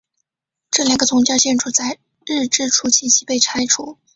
这两个宗教建筑在日治初期即被拆除。